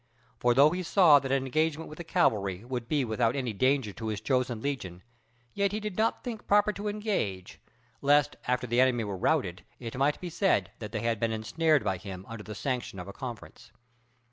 For though he saw that an engagement with the cavalry would be without any danger to his chosen legion, yet he did not think proper to engage, lest after the enemy were routed it might be said that they had been ensnared by him under the sanction of a conference.